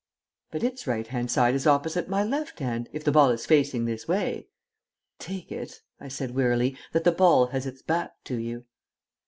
"But its right hand side is opposite my left hand, if the ball is facing this way." "Take it," I said wearily, "that the ball has its back to you."